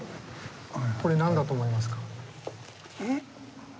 これ何だと思いますか？